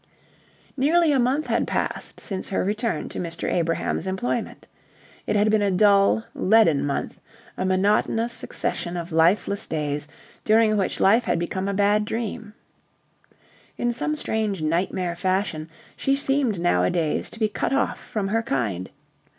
Nearly a month had passed since her return to Mr. Abrahams' employment. It had been a dull, leaden month, a monotonous succession of lifeless days during which life had become a bad dream. In some strange nightmare fashion, she seemed nowadays to be cut off from her kind.